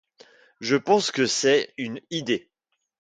Je pense que c'est une id